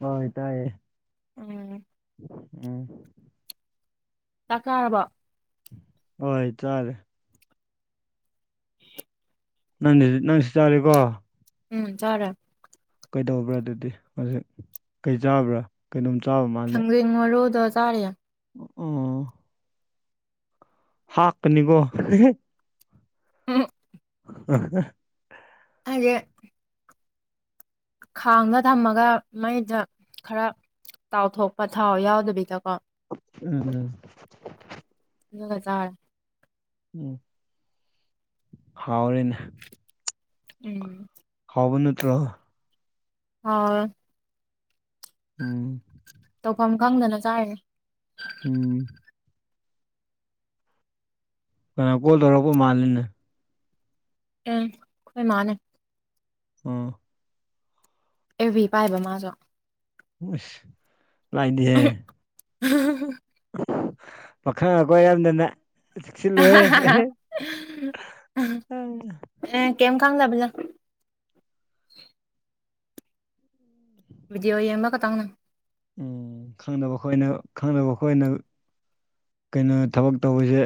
ꯍꯣꯏ ꯇꯥꯏꯌꯦ ꯎꯝ ꯎꯝ ꯆꯥꯛ ꯆꯔꯕꯣ ꯍꯣꯏ ꯆꯥꯔꯦ ꯅꯪꯒꯤꯁꯨ ꯅꯪꯁꯨ ꯆꯥꯔꯦꯀꯣ ꯎꯝ ꯆꯔꯦ ꯀꯩꯗꯧꯕ꯭ꯔꯥ ꯑꯗꯨꯗꯤ ꯍꯧꯖꯤꯛ ꯀꯩ ꯆꯥꯕ꯭ꯔꯥ ꯀꯩꯅꯣꯝ ꯆꯥꯕ ꯃꯥꯜꯂꯦ ꯎꯝ ꯃꯔꯨꯗꫭ ꯆꯔꯤꯌꯦ ꯑꯣ ꯍꯥꯛ ꯀꯅꯤꯒꯣ ꯎꯝ ꯑ ꯍꯦ ꯍꯥꯏꯗꯦ ꯈꯥꯡꯗ ꯊꯝꯃꯒ ꯃꯩꯗ ꯈꯔ ꯇꯥꯎ ꯊꯣꯛꯄ ꯊꯥꯎ ꯌꯥꯎꯗꯕꯤꯗꯀꯣ ꯎꯝ ꯎꯝ ꯑꯗꯨꯒ ꯆꯥꯔꯦ ꯎꯝ ꯍꯥꯎꯔꯦꯅꯦ꯫ ꯎꯝ ꯍꯥꯎꯕ ꯅꯠꯇ꯭ꯔꯣ? ꯍꯥꯎꯔꯦ꯫ ꯎꯝ ꯇꯧꯐꯝ ꯈꯪꯗꯅ ꯆꯥꯏꯅꯤ꯫ ꯎꯝ ꯑꯥ ꯀꯣꯜ ꯇꯧꯔꯛꯄ ꯃꯥꯜꯜꯂꯤꯅꯦ꯫ ꯎꯝ ꯑꯩꯈꯣꯏ ꯃꯥꯅꯦ꯫ ꯑꯣ ꯑꯦꯐꯕꯤ ꯄꯥꯏꯕ ꯃꯥꯁꯨ ꯁ ꯂꯥꯏꯗꯤꯍꯦ [inaudible] [unintelligible] ꯁꯤꯂꯦ ꯑ ꯑꯦ ꯀꯦꯝ ꯈꯥꯎꯪ ꯂꯕꯖꯥꯛ ꯚꯗꯤꯑꯣ ꯌꯦꯡꯕ ꯈꯛꯇꯪꯅ꯫ ꯎꯝ ꯈꯪꯅꯕꯈꯣꯏꯅ ꯈꯪꯅꯕ ꯈꯣꯏꯅ ꯀꯩꯅꯣ ꯊꯕꯛ ꯇꯧꯕꯁꯦ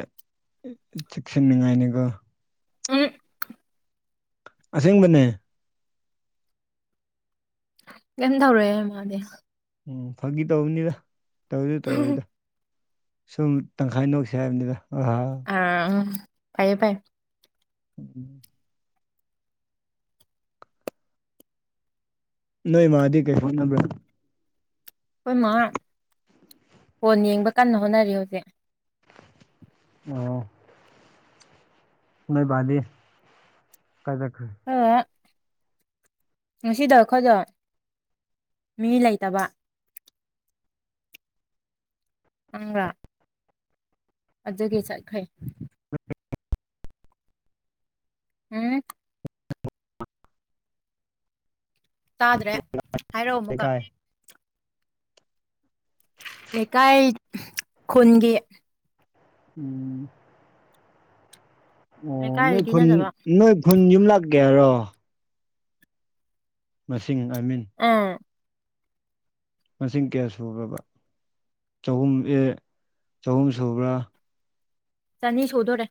ꯆꯦꯛꯁꯤꯟꯅꯤꯡꯉꯥꯏꯅꯤꯀꯣ ꯎꯝ ꯑꯁꯦꯡꯕꯅꯦ꯫ ꯀꯩꯝ ꯇꯧꯔꯛꯑꯦ ꯃꯥꯗꯤ꯫ ꯎꯝ ꯐꯥꯒꯤ ꯇꯧꯕꯅꯤꯗ ꯇꯧꯗꯤ ꯇꯧꯔꯣꯏꯗ ꯁꯨꯝ ꯇꯪꯈꯥꯏ ꯅꯣꯛꯁꯦ ꯍꯥꯏꯕꯅꯤꯗ ꯑ ꯑ ꯐꯥꯏꯌꯦ ꯐꯥꯏ [inaudible] ꯅꫭꯏ ꯃꯥꯗꯤ ꯀꯩ ꯍꫭꯠꯅꯕ꯭ꯔ? ꯑꯩꯈꯣꯏ ꯃꯥ ꯐꯣꯟ ꯌꯦꯡꯕ ꯀꯟꯅ ꯍꯣꯠꯅꯔꯤ ꯍꯧꯖꯤꯛ ꯑꯣ ꯅꯣꯏ ꯕꯥ ꯗꯤ ꯀꯥꯏ ꯆꯠꯈꯔꯦ꯫ [unintelligible] ꯉꯁꯤꯗ ꯑꯩꯈꯣꯏꯗꯣ ꯃꯤ ꯂꯩꯇꯕ ꯅꯪꯔꯥ ꯑꯗꯨꯒꯤ ꯆꯠꯈ꯭ꯔꯦ꯫ ꯎꯝ [inaudible] ꯇꯥꯗ꯭ꯔꯦ ꯍꯥꯏꯔꯛꯑꯣ ꯑꯃꯨꯛꯀ ꯂꯩꯀꯥꯏ ꯂꯩꯀꯥꯏ ꯈꯨꯟꯒꯤ ꯎꯝ ꯑꯣ ꯅꯣꯏ ꯂꯩꯀꯥꯏꯗꯒꯤ ꯈꯨꯟ ꯅꯠꯇꯕ ꯅꯣꯏ ꯈꯨꯟ ꯌꯨꯝ ꯂꯥꯛꯀꯦ ꯍꯥꯏꯔꯣ? ꯃꯁꯤꯡ ꯑꯥꯏ ꯃꯤꯟꯠ ꯑꯥ ꯃꯁꯤꯡ ꯀꯌꯥ ꯁꯨꯒꯔ꯭ꯕ ꯆꯍꯨꯝ ꯑꯦ ꯆꯍꯨꯝ ꯁꯨꯕ꯭ꯔꯥ ꯆꯅꯤ ꯁꯨꯗꯣꯔꯦ꯫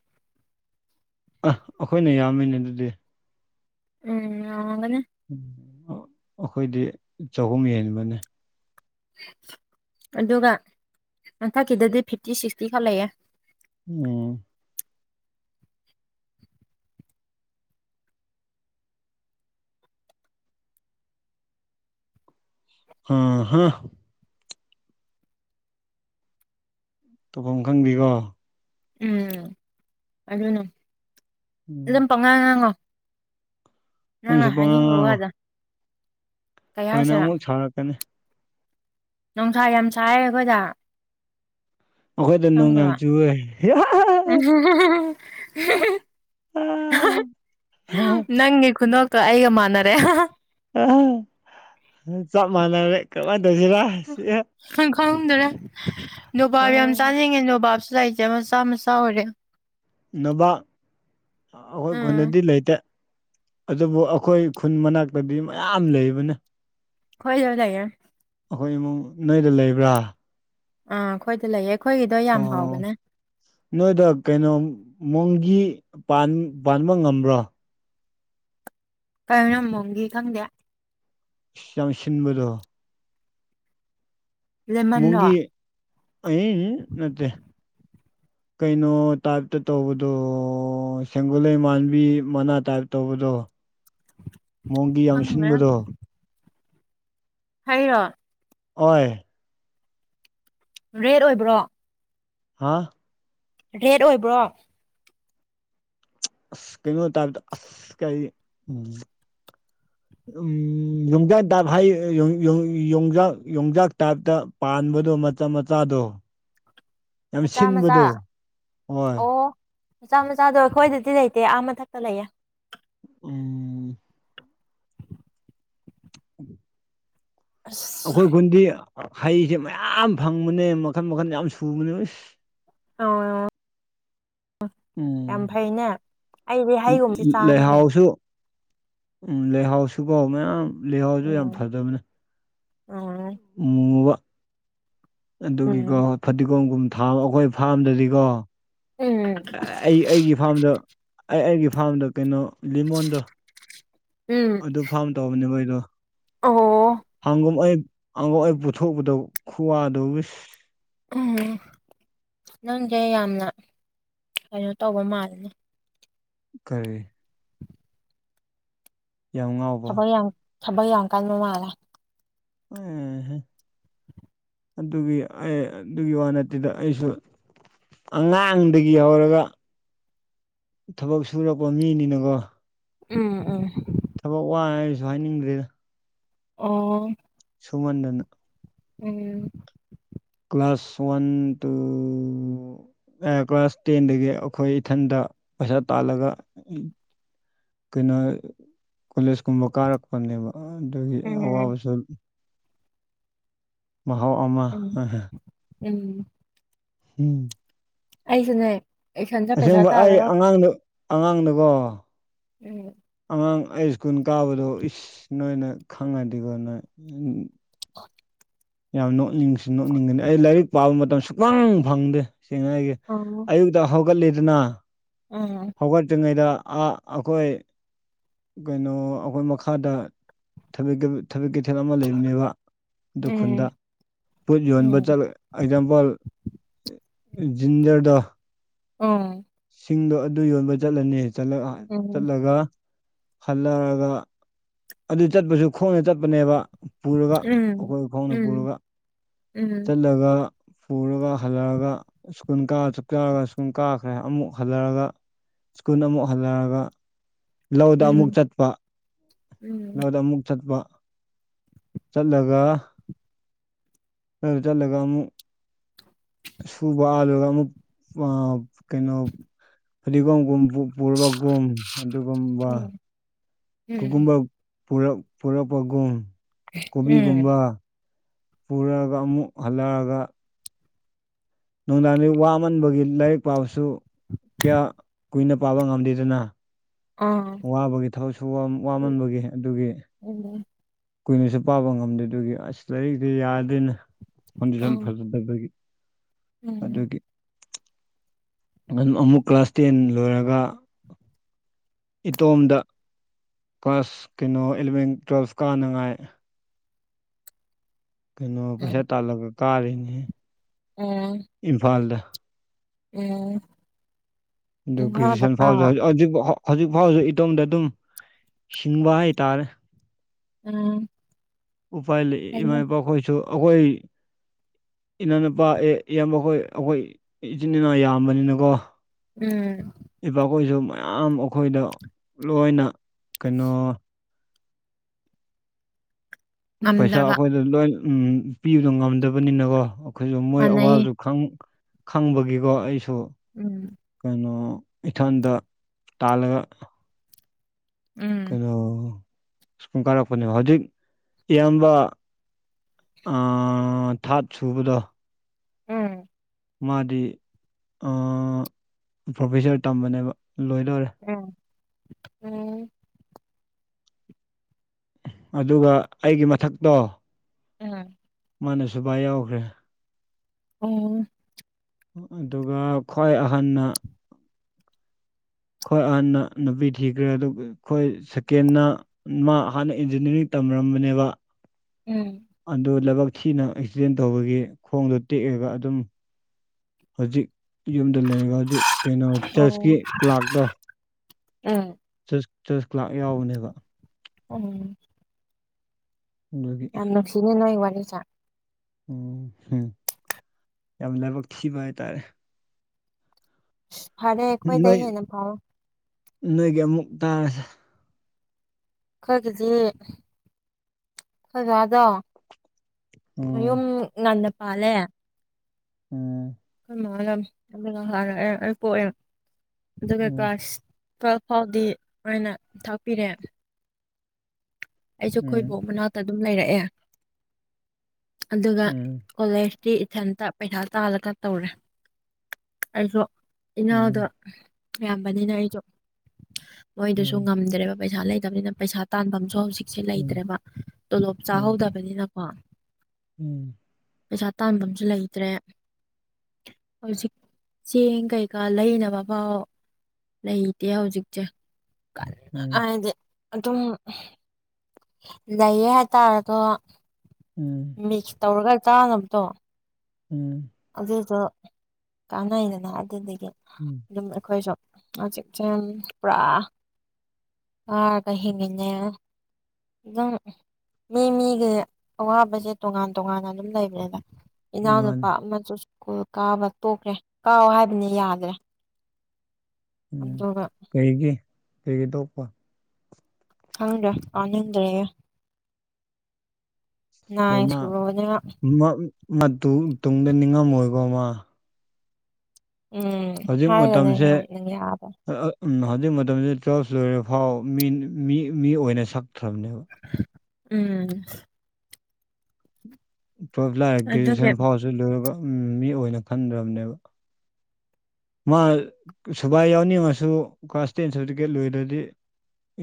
ꯑ ꯑꯩꯈꯣꯏꯅ ꯌꯥꯝꯃꯤꯅꯦ ꯑꯗꯨꯗꯤ ꯎꯝ ꯌꯝꯃꯝꯒꯅꯤ꯫ ꯑꯩꯈꯣꯏꯗꯤ ꯆꯍꯨꯝ ꯍꯦꯟꯕꯅꯦ꯫ ꯑꯗꯨꯒ ꯃꯟꯊꯛꯀꯤꯗꯗꯤ ꯐꯤꯐꯇꯤ ꯁꯤꯛ ꯈꯛꯇ ꯂꯩꯑꯦ꯫ ꯎꯝ ꯑ ꯍꯥ ꯇꯧꯐꯝ ꯈꯪꯗꯦꯀꯣ ꯎꯝ ꯑꯗꯨꯅ ꯎꯝ ꯑꯗꯨꯝ ꯉꯥꯡ ꯉꯥꯡꯉꯣ ꯅꯪꯅ ꯅꯪꯁꯨ ꯄꯉꯥꯡ ꯍꯥꯏꯅꯤꯡꯕ ꯋꯥꯗꯣ ꯀꯩ ꯍꯣꯏꯅ ꯍꯥꯏꯁꯤꯔꯥ ꯑꯃꯨꯛ ꯁꯥꯔꯛꯀꯅꯤ ꯅꯨꯡꯁꯥ ꯌꯥꯝ ꯁꯥꯏꯌꯦ ꯑꯩꯈꯣꯏꯗ ꯑꯈꯣꯏꯗ ꯅꫭꯡ ꯌꯥꯝ ꯈꯪꯕ꯭ꯔꯣ ꯆꯨꯋꯦ [unintelligible] ꯅꯪꯒꯤ ꯈꯨꯅꯣꯛ ꯀꯥ ꯑꯩꯒ ꯃꯥꯅꯔꯦ ꯑꯍꯥ ꯍꯥ ꯑ ꯆꯞ ꯃꯥꯟꯅꯔꯦ ꯀꯔꯃꯥꯏꯅ ꯇꯧꯁꯤꯔ ꯁꯤꯑꯦ ꯈꯡ ꯈꯪꯉ ꯗꯔꯦ ꯅꯣꯕꯥꯞ ꯌꯥꯝ ꯆꯥꯅꯤꯡꯉꯦ ꯅꯣꯕꯥꯞꯁꯨ ꯂꯩꯥꯏꯇꯦ ꯃꯆꯥ ꯃꯆꯥ ꯑꯣꯏꯔꯦ ꯅꯕ ꯑꯥ ꯑꯈꯣꯏ ꯎꯝ ꯈꯨꯟꯗꯗꯤ ꯂꯩꯇꯦ ꯑꯗꯨꯕꯨ ꯑꯩꯈꯣꯏ ꯈꯨꯟ ꯃꯅꯥꯛꯇꯗꯤ ꯃꯌꯥꯝ ꯂꯩꯕꯅꯤ ꯈꯣꯏꯗ ꯂꯩꯌꯦ ꯑꯈꯣꯏ ꯏꯃꯨꯡ ꯅꯣꯏꯗ ꯂꯩꯕ꯭ꯔꯥ ꯑꯥ ꯑꯩꯈꯣꯏꯗ ꯂꯩꯌꯦ ꯑꯩꯈꯣꯏꯒꯤꯗꯣ ꯌꯥꯝ ꯑꯣ ꯍꯥꯎꯕꯅꯦ ꯅꯣꯏꯗ ꯀꯩꯅꯣ ꯃꯣꯡꯒꯤ ꯄꯥꯟ ꯄꯥꯟꯕ ꯉꯝꯕ꯭ꯔꯣ ꯀꯅ ꯃꯑꯣꯡꯒꯤ ꯈꯪꯗꯦ ꯏꯁ ꯌꯥꯝ ꯁꯤꯟꯕꯗꯣ ꯂꯦꯃꯟꯔꯣ ꯃꯨꯒꯤ ꯑꯍꯦ ꯍꯦ ꯅꯠꯇꯦ ꯀꯩꯅꯣ ꯇꯥꯏꯞꯇ ꯇꯧꯕꯗꯣ ꯁꯦꯡꯒꯣꯂꯩ ꯃꯥꯟꯕꯤ ꯃꯅꯥ ꯇꯥꯏꯞ ꯇꯧꯕꯗꯣ ꯃꯣꯡꯒꯤ ꯌꯥꯝ ꯈꯪꯗꯦ ꯁꯤꯟꯕꯗꯣ ꯍꯥꯏꯔꯣ ꯍꯣꯏ ꯔꯦꯠ ꯑꯣꯏꯕ꯭ꯔꯣ ꯍꯥꯥ ꯔꯦꯠ ꯑꯣꯏꯕ꯭ꯔꯣ ꯑꯁ ꯀꯩꯅꯣ ꯇꯥꯕꯗꯣ ꯑꯁ ꯀꯔꯤ ꯎꯝ ꯎꯝ ꯌꯣꯡꯆꯥꯛ ꯇꯥꯞ ꯍꯥꯏ ꯌꯣꯡꯆꯥꯛ ꯌꯣꯡꯆꯥꯛ ꯇꯥꯞꯇ ꯄꯥꯟꯕꯗꯣ ꯃꯆꯥ ꯃꯆꯥꯗꯣ ꯌꯥꯝ ꯃꯆꯥ ꯃꯆꯥ ꯁꯤꯟꯕꯗꯣ ꯍꯣꯏ ꯑꯣ ꯃꯆꯥ ꯃꯆꯥꯗꯣ ꯑꯩꯈꯣꯏꯗꯗꯤ ꯂꯩꯇꯦ ꯑꯥ ꯃꯊꯛꯇ ꯂꯩꯌꯦ ꯎꯝ [inaudible] ꯑꯁ ꯑꯩꯈꯣꯏ ꯈꯨꯟꯗꯤ ꯍꯩꯁꯦ ꯃꯌꯥꯝ ꯐꯪꯕꯅꯦ ꯃꯈꯟ ꯃꯈꯟ ꯌꯥꯝ ꯁꯨꯕꯅꯦꯁ [unintelligible] ꯌꯥꯝ ꯎꯝ ꯐꯩꯅꯦ ꯑꯩꯗꯤ ꯂꯩ ꯍꯩꯒꯨꯝꯕꯁꯦ ꯆꯥꯅꯤꯡꯉꯦ ꯂꯩꯍꯥꯑꯣꯁꯨ ꯎꯝ ꯂꯩꯍꯥꯎꯁꯨꯒꫭ ꯃꯌꯥꯝ ꯂꯩꯍꯥꯎꯁꯨ ꯌꯥꯝ ꯎꯝ ꯐꯗꯕꯅꯦ ꯎꯝ ꯃꯨꯕ ꯑꯗꯨꯒꯤ ꯒꯣ ꯎꯝ ꯐꯗꯤꯒꯣꯝꯒꯨꯝ ꯊꯥꯕ ꯑꯩꯈꯣꯏ ꯐꯥꯔꯝꯗꯗꯤꯀꯣ ꯎꯝ ꯑꯦ ꯑꯩ ꯑꯩꯒꯤ ꯐꯥꯔꯝꯗ ꯑꯩ ꯑꯩꯒꯤ ꯐꯥꯔꯝꯗ ꯀꯩꯅꯣ ꯂꯤꯃꯣꯟꯗꫭ ꯎꯝ ꯑꯗꯨ ꯐꯥꯝ ꯇꯧꯕꯅꯦꯕ ꯑꯩꯗꯣ ꯑꯣ ꯍꯪꯉꯨꯝ ꯑꯩ ꯑꯃꯨꯛ ꯑꯥꯏ ꯄꯨꯊꯣꯛꯄꯗꯣ ꯈꯨꯋꯥꯗꯣ ꯋꯤꯁ ꯎꯝ ꯅꯪꯁꯦ ꯌꯥꯝꯅ ꯀꯩꯅꯣ ꯇꯧꯕ ꯃꯥꯜꯂꯅꯦ ꯀꯔꯤ ꯌꯥꯉꯥꯎ ꯊꯕꯛ ꯌꯥꯝ ꯊꯕꯛ ꯌꯥꯝ ꯀꯟꯕ ꯃꯂꯦ ꯑꯣꯝ ꯑꯗꯨꯒꯤ ꯑꯩ ꯑꯗꯨꯒꯤ ꯋꯥ ꯅꯠꯇꯗ ꯑꯩꯁꯨ ꯑꯉꯥꯡꯗꯒꯤ ꯍꯧꯔꯒ ꯊꯕꯛ ꯁꯨꯔꯛꯄ ꯃꯤꯅꯤꯅꯀꯣ ꯎꯝ ꯎꯝ ꯊꯕꯛ ꯋꯥꯏꯔꯁꯨ ꯍꯥꯏꯅꯤꯡꯗ꯭ꯔꯦꯗ ꯑꯣ ꯁꯨꯃꯟꯗꯅ ꯎꯝ class one to A class ꯇꯦꯟꯗꯒꯤ ꯑꯩꯈꯣꯏ ꯏꯊꯟꯗ ꯄꯩꯁꯥ ꯇꯥꯜꯂꯒ ꯀꯩꯅꯣ ꯀꯣꯂꯦꯖ ꯀꯨꯝꯕ ꯀꯥꯔꯛꯄꯅꯦꯕ ꯑꯗꯨꯒꯤ ꯎꯝ ꯑꯋꯥꯕꯁꯨ ꯃꯍꯥꯎ ꯑꯃ ꯎꯝ [unintelligible] ꯎꯝ ꯎꯝ ꯑꯩꯁꯨꯅꯦ ꯑꯦꯛꯁꯟꯗ ꯄꯩꯁꯥ ꯑꯁꯦꯡꯕ ꯑꯩ ꯇꯥꯜꯂꯒ ꯑꯉꯥꯡꯗꯨ ꯑꯉꯥꯡꯅꯀꯣ ꯎꯝ ꯑꯉꯥꯡ ꯑꯩ ꯁ ꯀꯨꯟ ꯀꯥꯕꯗꯣ ꯏꯁ ꯅꯣꯏꯅ ꯈꯪꯉꯗꯤꯀꯣ ꯅ ꯑꯣ ꯌꯥꯝ ꯅꯣꯛꯅꯤꯡꯁꯨ ꯅꯣꯛꯅꯤꯡꯒꯅꯤ ꯑꯩ ꯂꯥꯏꯔꯤꯛ ꯄꯥꯕ ꯃꯇꯝ ꯁꯨꯛꯐꯪ ꯐꯪꯗꯦ ꯁꯦꯡꯅ ꯍꯥꯏꯒꯦ ꯑꯣ ꯑꯌꯨꯛꯗ ꯍꯧꯒꯠꯂꯤꯗꯅ ꯎꯝ ꯍꯧꯒꯠꯇ꯭ꯔꯤꯉꯩꯗ ꯑꯩꯈꯣꯏ ꯀꯩꯅꯣ ꯑꯩꯈꯣꯏ ꯃꯈꯥꯗ ꯊꯕꯤ ꯊꯕꯛ ꯀꯩꯊꯦꯜ ꯑꯃ ꯂꯩꯕꯅꯦꯕ ꯑꯗꯨ ꯈꯨꯟꯗ ꯎꯝ ꯄꯣꯠ ꯌꯣꯟꯕ ꯎꯝ ꯆꯠꯂ ꯑꯦꯛꯖꯥꯝꯄꯜ ꯖꯖꯤꯟꯖꯔꯗ ꯑꯪ ꯁꯤꯡꯗꯣ ꯑꯗꯨ ꯌꯣꯟꯕ ꯆꯠꯂꯅꯤ ꯎꯝ ꯆꯠꯂꯒ ꯍꯜꯂꯛꯑꯒ ꯑꯗꯨ ꯆꯠꯄꯁꯨ ꯈꯣꯡꯅ ꯆꯠꯄꯅꯦꯕ ꯄꯨꯔꯒ ꯎꯝ ꯑꯩꯈꯣꯏ ꯈꯣꯡꯅ ꯎꯝ ꯄꯨꯔꯒ ꯎꯝ ꯂꯒ ꯄꯨꯔꯒ ꯍꯜꯂꯑꯒ ꯁ꯭ꯀꯨꯜ ꯀꯥ ꯆꯆꯔꯒ ꯁ꯭ꯀꯨꯜ ꯀꯥꯈ꯭ꯔꯦ ꯑꯃꯨꯛ ꯍꯜꯂꯔꯒ ꯁ꯭ꯀꯨꯟ ꯑꯃꯨꯛ ꯍꯜꯂꯛꯑꯒ ꯂꯧꯗ ꯑꯃꯨꯛ ꯎꯝ ꯆꯠꯄ ꯎꯝ ꯂꯧꯗ ꯑꯃꯨꯛ ꯆꯠꯄ ꯆꯠꯂꯒ ꯖꯥꯂꯒ ꯑꯃꯨꯛ ꯁꯨꯕ ꯑꯥꯜꯂꯒ ꯑꯃꯨꯛ ꯀꯩꯅꯣ ꯐꯗꯤꯒꯣꯝꯒꯨꯝ ꯄꯨꯔꯕꯒꯨꯝ ꯑꯗꯨꯒꯨꯝꯕ ꯎꯝ ꯀꯨꯒꯨꯝꯕ ꯄꯨꯔ ꯄꯨꯔꯛꯄꯒꯨꯝ ꯎꯝ ꯀꯣꯕꯤꯒꯨꯝꯕ ꯄꯨꯔꯛꯑꯒ ꯑꯃꯨꯛ ꯍꯜꯂꯛꯑꯒ ꯅꯨꯡꯗꯥꯡꯗꯤ ꯋꯥꯃꯟꯕꯒꯤ ꯂꯥꯏꯔꯤꯛ ꯄꯥꯕꯁꯨ ꯀꯌꯥ ꯀꯨꯏꯅ ꯄꯥꯕ ꯉꯝꯗꯦꯗꯅ ꯑꯥ ꯋꯥꯕꯒꯤ ꯊꯕꯛꯁꯨ ꯋꯥꯃꯟꯕꯒꯤ ꯑꯗꯨꯒꯤ ꯎꯝ ꯀꯨꯏꯅꯁꯨ ꯄꯥꯕ ꯉꯝꯗꯦ ꯑꯗꯨꯒꯤ ꯑꯁ ꯂꯥꯏꯔꯤꯛꯇ ꯌꯥꯗꯦꯅ ꯐꯥꯎꯟꯗꯦꯁꯟ ꯎꯝ ꯐꯖ ꯑꯗꯨ ꯎꯝ ꯑꯗꯨꯗꯦ ꯑꯃꯨꯛ ꯀ꯭ꯂꯥꯁ ꯇꯦꯟ ꯂꯣꯏꯔꯒ ꯏꯇꯣꯝꯗ ꯀ꯭ꯂꯥꯁ ꯀꯩꯅꯣ ꯑꯦꯂꯚꯦꯟ ꯇꯨꯋꯦꯜꯐ ꯀꯥꯅꯉꯥꯏ ꯀꯩꯅꯣ ꯄꯩꯁꯥ ꯎꯝ ꯇꯥꯜꯂꯒ ꯀꯥꯔꯦꯅꯦ ꯎꯝ ꯏꯝꯐꯥꯜꯗ ꯎꯝ ꯑꯗꯨ ꯒꯦꯖꯨꯌꯦꯁꯟ ꯏꯝꯐꯥꯜꯗꯀꯣ ꯐꯥꯎ ꯍꯧꯖꯤ ꯍꯧꯛ ꯍꯧꯖꯤꯛ ꯐꯥꯎꯁꯨ ꯏꯇꯣꯝꯗ ꯑꯗꯨꯝ ꯁꯤꯡꯕ ꯍꯥꯏꯇꯥꯔꯦ ꯎꯝ ꯎꯥꯏ ꯂꯩꯃ ꯀꯩꯅꯣ ꯄꯈꯣꯏꯁꯨ ꯑꯩꯈꯣꯏ ꯏꯅꯥꯎꯅꯨꯄꯥ ꯏꯌꯥꯝꯕ ꯑꯩꯈꯣꯏ ꯑꯩꯈꯣꯏ ꯏꯆꯤꯟ ꯏꯅꯥꯎ ꯌꯥꯝꯕꯅꯤꯅꯀꯣ ꯎꯝ ꯏꯄꯥꯈꯣꯏꯁꯨ ꯃꯌꯥꯝ ꯑꯩꯈꯣꯏꯗ ꯂꯣꯏꯅ ꯀꯩꯅꯣ ꯄꯩꯁꯥ ꯉꯝꯗ꯭ꯔꯕ ꯑꯩꯈꯣꯏꯗ ꯂꯣꯏ ꯎ ꯄꯤꯕꯗꯣ ꯉꯝꯗꯕꯅꯤꯅꯀꯣ ꯑꯩꯈꯣꯏꯁꯨ ꯃꯣꯏ ꯃꯥꯟꯅꯩꯌꯦ ꯑꯋꯥꯕꯗꯨ ꯈꯪꯕꯒꯤꯀꯣ ꯑꯩꯁꯨ ꯎꯝ ꯀꯩꯅꯣ ꯏꯊꯟꯗ ꯇꯥꯜꯂꯒ ꯎꯝ ꯀꯩꯅꯣ ꯁꯨꯝ ꯀꯥꯔꯛꯄꯅꯦꯕ ꯍꯧꯖꯤꯛ ꯏꯌꯥꯝꯕ ꯑ ꯊꯥꯠ ꯁꯨꯕꯗꯣ ꯎꯝ ꯃꯥꯗꯤ ꯑ ꯄ꯭ꯔꯣꯐꯦꯁꯔ ꯇꯝꯕꯅꯦꯕ ꯂꯣꯏꯗꫭꯔꯦ ꯎꯝ ꯎꯝ ꯑꯗꯨꯒ ꯑꯩꯒꯤ ꯃꯊꯛꯇꯣ ꯎꯝ ꯃꯥꯅꯁꯨ ꯕꯥ ꯌꯥꯎꯈ꯭ꯔꯦ ꯑꯣ ꯑꯗꯨꯒ ꯈ꯭ꯋꯥꯏ ꯑꯍꯟꯅ ꯈꯋꯥꯏ ꯑꯍꯟꯅ ꯅꯨꯄꯤ ꯊꯤꯈ꯭ꯔꯦ ꯑꯗꯨ ꯑꯩꯈꯣꯏ ꯁꯦꯀꯦꯟꯅ ꯃꯥ ꯍꯥꯟꯅ ꯏꯟꯖꯤꯅꯤꯌꯥꯔꯤꯡ ꯇꯝꯔꯝꯕꯅꯦꯕ ꯎꯝ ꯑꯗꯨ ꯂꯕꯛ ꯊꯤꯅ ꯑꯦꯛꯁꯤꯗꯦꯟ ꯇꯧꯕꯒꯤ ꯈꯣꯡꯗꯣ ꯇꯦꯛꯑꯒ ꯑꯗꯨꯝ ꯍꯧꯖꯤꯛ ꯌꯨꯝꯗ ꯂꯩꯔꯒ ꯍꯧꯖꯤꯛ ꯀꯩꯅꯣ ꯆꯔꯆꯀꯤ ꯀ꯭ꯂꯥꯛꯇꯣ ꯎꯝ ꯆ ꯆꯆ ꯀ꯭ꯂꯥꯛ ꯌꯥꯎꯕꯅꯦꯕ ꯎꯝ ꯑꯗꯨꯒꯤ ꯌꯥꯝꯅꯨꯡꯁꯤꯅ‌ꯦ ꯅꯣꯏ ꯋꯥꫪꯤꯁ‌ꯦ ꯎꯝ ꯎꯝ ꯌꯥꯝ ꯂꯥꯏꯕꯛ ꯊꯤꯕ ꯍꯥꯏꯇꯥꯔꯦ ꯐꯔ‌ꯦ ꯑꯩꯈ‌ꯣꯏ ꯗꯦꯏ ꯅꯣꯏ ꯍꯦꯟꯅꯥ ꯐꯔ‌ꯣ ꯅꯣꯏꯒꯤ ꯑꯃꯨꯛ ꯇꯥꯔꯁꯦ ꯈꯣꯏꯒꯤꯗꯤ ꯈꯣꯏ ꯗꯥꯗꯣ ꯎꯝ ꯃꯌꯨꯝ ꯉꯟꯅꯄꯂꯦ ꯎꯝ ꯑꯩꯈꯣꯏ ꯃꯥꯂꯝ ꯍꯔ ꯄꯣꯛꯑꯦ ꯑꯗꯨꯒ ꯎꯝ ꯀꯥꯁ ꯇꯨꯋꯦꯜꯐ ꯐꯥꯎꯗꯤ ꯃ‌ꯣꯏꯅ ꯊꯥꯛꯄꯤꯔꯦ ꯑꯩꯁꯨ ꯎꯝ ꯈꯣꯏꯕꯣꯛ ꯃꯅꯥꯛꯇ ꯑꯗꯨꯝ ꯂꯩꯔꯛꯑꯦ ꯑꯗꯨꯒ ꯎꯝ ꯀꯣꯂꯦꯖꯇꯤ ꯏꯊꯟꯇ ꯄꯩꯁꯥ ꯇꯥꯜꯂꯒ ꯇꯧꯔꯦ ꯑꯩꯁꯨ ꯏꯅꯥꯎꯗꯣ ꯎꯝ ꯌꯥꯝꯕꯅꯤꯅ ꯑꯩꯁꯨ ꯃꯣꯏꯗꯨꯁꯨ ꯎꯝ ꯉꯝꯗ꯭ꯔꯦꯕ ꯄꯩꯁꯥ ꯂꯩꯇꯕꯅꯤꯅ ꯄꯩꯁꯥ ꯇꯥꯟꯐꯝꯁꯨ ꯍꯧꯖꯤꯛ ꯁꯤ ꯎꯝ ꯂꯩꯇ꯭ꯔꯦꯕ ꯇꯣꯂꯣꯞ ꯎꯝ ꯆꯥꯍꯧꯗꯕꯅꯤꯅꯀꯣ ꯎꯝ ꯄꯩꯁꯥ ꯇꯥꯟꯕꯝꯁꯨ ꯂꯩꯇ꯭ꯔꯦ ꯍꯧꯖꯤꯛ ꯆꯦꯡ ꯀꯩꯀꯥ ꯂꯩꯅꯕ ꯐꯥꯎ ꯂꯩꯇꯦ ꯍꯧꯖꯤꯛꯁꯦ ꯀꯟꯅ ꯎꯝ ꯍꯥꯏꯗꯤ ꯑꯗꯨꯝ ꯂꯩꯌ‌ꯦ ꯍꯥꯏꯇꯔ‌ꯦ ꯗ‌ꯣ ꯎꯝ ꯃꯤꯛꯁ ꯇꯧꯔꯒ ꯆꯥꯅꯕꯗꯣ ꯎꯝ ꯑꯗꯨꯏꯗꫭ ꯀꯥꯟꯅꯩꯗꯅ ꯑꯗꯨꯗꯨꯒꯤ ꯎꯝ ꯌꯨꯝ ꯑꯈꯣꯏꯁꯨ ꯍꯧꯖꯤꯛꯁꯦ ꯄꯨꯔꯥ ꯋꯥꯔꯒ ꯍꯤꯡꯏꯅ‌ꯦ ꯅꯪ ꯃꯤ ꯃꯤꯒꯤ ꯑꯋꯥꯕꯁꯦ ꯇꯣꯉꯥꯟ ꯇꯣꯉꯥꯟꯅ ꯑꯗꯨꯝ ꯂꯩꯕꯅꯦꯗ ꯃꯥꯅꯦ ꯏꯅꯥꯎꯅꯨꯄꯥ ꯑꯃꯁꯨ ꯁ꯭ꯀꯨꯜ ꯀꯥꯕ ꯇꯣꯛꯈ꯭ꯔꯦ ꯀꯥꯎ ꯍꯥꯏꯕꯅꯤ ꯌꯥꯗ꯭ꯔꯦ ꯎꯝ ꯑꯗꯨꯒ ꯀꯩꯒꯤ ꯀꯩꯒꯇꯣꯛꯄ ꯍꯪꯗ꯭ꯔ ꯑꯅꯗ꯭ꯔꯦ ꯅꯥꯏꯟ ꯁꯨꯔꯕꯅꯤꯅ ꯑꯗꯨ ꯃꯥ ꯇꯨꯡꯗ ꯅꯤꯡꯉꯝꯃꯣꯏꯀꯣ ꯃꯥ ꯎꯝ ꯍꯧꯖꯤꯛ ꯍꯥꯏꯒꯅꯤ ꯃꯇꯝꯁꯦ ꯑ ꯅꯪ ꯌꯥꯕ ꯍꯧꯖꯤꯛ ꯃꯇꯝꯁꯤꯗ ꯇꯨꯌꯦꯜꯐ ꯂꯣꯏꯔ ꯐꯥꯎ ꯃꯤ ꯃꯤ ꯑꯣꯏꯅ ꯁꯛꯇ꯭ꯔꯕꯅꯦꯕ ꯎꯝ ꯇꯨꯌꯦꯜꯞ ꯂꯥꯛꯑꯦ ꯑꯗꯨꯒꯤ ꯒ꯭ꯔꯦꯖꯨꯌꯦꯁꯟ ꯐꯥꯎꯁꯨ ꯂꯣꯏꯔꯒ ꯃꯤ ꯑꯣꯏꯅ ꯈꯟꯗ꯭ꯔꯕꯅꯦꯕ ꯃꯥ ꯁꯨꯕꯥꯏ ꯌꯥꯎꯅꯤꯡꯉꯁꯨ ꯀ꯭ꯂꯥꯁ ꯇꯦꯟ ꯁꯥꯔꯇꯤꯐꯤꯀꯦꯠ ꯂꯣꯏꯔ꯭ꯔꯗꯤ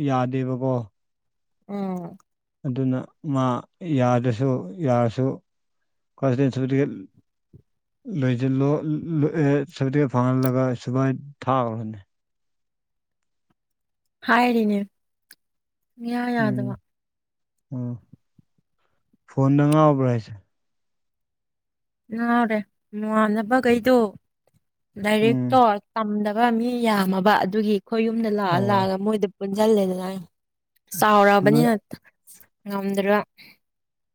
ꯌꯥꯗꯦꯕꯀꯣ ꯎꯝ ꯑꯗꯨꯅ ꯃꯥ ꯌꯥꯗ꯭ꯔꯁꯨ ꯌꯥꯔꯁꯨ ꯈ ꯂꯣꯏꯁꯤꯂꫭ ꯁꯔꯇꯤꯐꯤꯀꯦꯠ ꯐꯪꯍꯜꯂꯒ ꯁꯨꯃꯥꯏ ꯊꯥꯒ꯭ꯔꫭꯅꯦ ꯍꯥꯏꯔꯤꯅꯦ ꯨꯡꯌꯥ ꯎꯝ ꯌꯥꯗꯕ ꯑꯣ ꯐꯣꯟꯗ ꯉꯥꯎꯕ꯭ꯔꯥ ꯍꯥꯏꯁꯦ ꯉꯥꯎꯔꯦ ꯃꯃꯥꯟꯅꯕꯈꯩꯗꯣ ꯂꯥꯏꯔꯦꯛꯇꯣ ꯎꯝ ꯇꯝꯗꯕ ꯃꯤ ꯌꯥꯝꯃꯕ ꯑꯗꯨꯒꯤ ꯑꯩꯈꯣꯏ ꯌꯨꯝꯗ ꯂꯥꯛꯑ ꯑꯣ ꯂꯥꯛꯑꯒ ꯃꯣꯏꯗ ꯄꯨꯟꯁꯤꯜꯂꯦꯗꯅ ꯑꯁ ꯅꯣꯏ ꯆꯥꯎꯔꯛꯑꯕꯅꯤꯅ ꯉꯝꯗ꯭ꯔ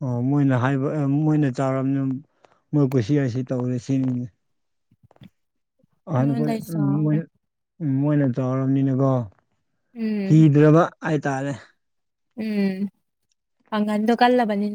ꯑꯣ ꯃꯣꯏꯅ ꯍꯥꯏꯕ ꯃꯣꯏꯅ ꯆꯥꯎꯔꯝꯅꯤꯅ ꯃꯣꯏ ꯀꯨꯁꯤ ꯔꯁꯤ ꯇꯧꯔꯦ ꯁꯤꯅꯤꯅꯦ ꯑꯅꯣꯏ ꯑꯩꯉꯣꯟꯗꯩ ꯎ ꯃꯣꯏ ꯆꯥꯎꯔꯦ ꯎꯝ ꯃꯣꯏꯅ ꯆꯥꯎꯧꯔꯕꯅꯤꯅꯀꯣ ꯎꯝ ꯀꯤꯗ꯭ꯔꯕ ꯍꯥꯏꯇꯥꯔꯦ ꯎꯝ ꯍꯪꯗ ꯀꯜꯂꯕꯅꯤ ꯅ